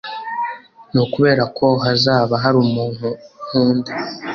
ni ukubera ko hazaba hari umuntu nkunda